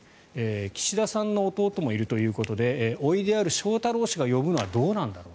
岸田さんの弟もいるということでおいである翔太郎氏が呼ぶのはどうなんだろう